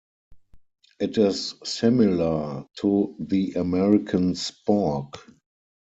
It is similar to the American spork.